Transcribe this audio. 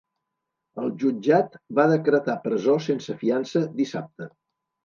El jutjat va decretar presó sense fiança dissabte.